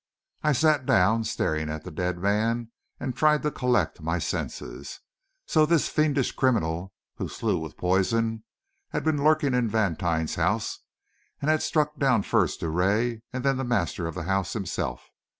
I sat down, staring at the dead man, and tried to collect my senses. So this fiendish criminal, who slew with poison, had been lurking in Vantine's house, and had struck down first Drouet and then the master of the house himself!